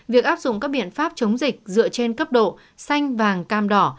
việc áp dụng các biện pháp chống dịch dựa trên cấp độ xanh vàng cam đỏ